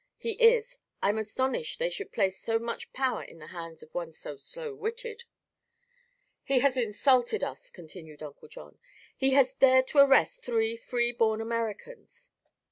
"He is. I'm astonished they should place so much power in the hands of one so slow witted." "He has insulted us," continued Uncle John. "He has dared to arrest three free born Americans."